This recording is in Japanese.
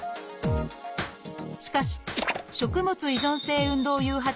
しかし食物依存性運動誘発